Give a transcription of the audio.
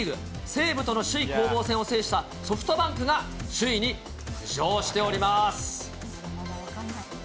西武との首位攻防戦を制したソフトバンクが首位に浮上しております。